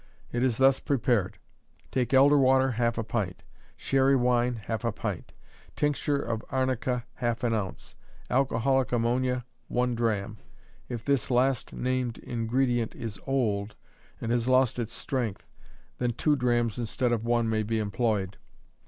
It is thus prepared: take elder water, half a pint; sherry wine, half a pint; tincture of arnica, half an ounce; alcoholic ammonia, 1 drachm if this last named ingredient is old, and has lost its strength, then two drachms instead of one may be employed.